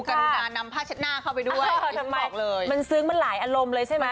กรุณานำผ้าเช็ดหน้าเข้าไปด้วยอยากจะบอกเลยมันซึ้งมาหลายอารมณ์เลยใช่มั้ยคุณ